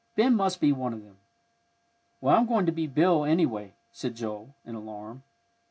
Ben must be one of them." "Well, I'm going to be Bill, anyway," said Joel, in alarm.